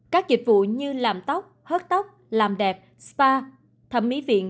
các dịch vụ như làm tóc hớt tóc làm đẹp spa thẩm mỹ viện